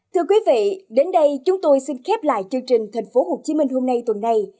thưa quý vị đến đây chúng tôi xin khép lại chương trình thành phố hồ chí minh hôm nay tuần này